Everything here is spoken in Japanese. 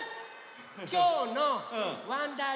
きょうのわんだー